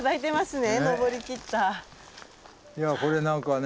いやこれ何かね。